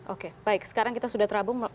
oke baik sekarang kita sudah terhubung